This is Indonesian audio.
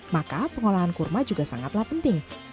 maka pengolahan kurma juga sangatlah penting